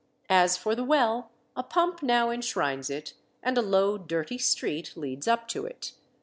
As for the well, a pump now enshrines it, and a low dirty street leads up to it.